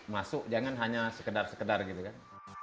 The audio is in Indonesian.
masuk jangan hanya sekedar sekedar gitu kan